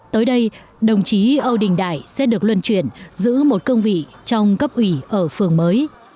tới đây đồng chí âu đình đại sẽ được luân chuyển giữ một cương vị trong cấp ủy ở phường mới